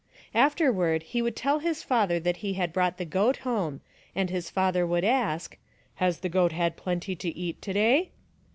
Afterward he would tell his father that he had brought the goat home, and his father would ask, " Has the goat had plenty to eat to day